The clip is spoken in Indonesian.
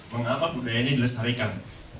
mengapa budaya ini dilestarikan